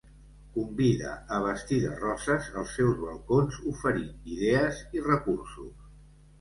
Convida a vestir de roses els seus balcons oferint idees i recursos.